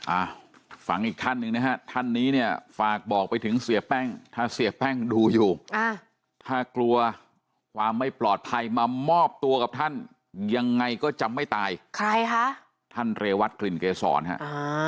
อ่าฟังอีกท่านหนึ่งนะฮะท่านนี้เนี่ยฝากบอกไปถึงเสียแป้งถ้าเสียแป้งดูอยู่อ่าถ้ากลัวความไม่ปลอดภัยมามอบตัวกับท่านยังไงก็จะไม่ตายใครคะท่านเรวัตกลิ่นเกษรฮะอ่า